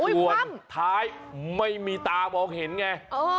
ส่วนท้ายไม่มีตามองเห็นไง